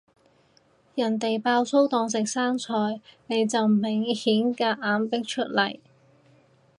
人哋爆粗當食生菜，你就明顯夾硬逼出嚟